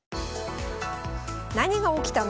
何が起きたの？